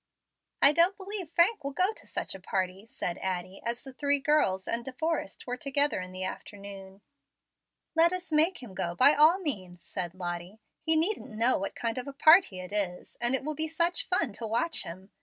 "I don't believe Frank will go to such a party," said Addie, as the three girls and De Forrest were together in the afternoon. "Let us make him go by all means," said Lottie. "He needn't know what kind of a party it is, and it will be such fun to watch him.